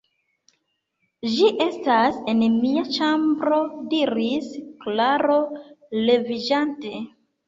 Ĝi estas en mia ĉambro diris Klaro leviĝante.